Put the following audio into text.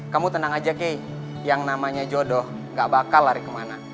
kamu tenang aja kay yang namanya jodoh gak bakal lari kemana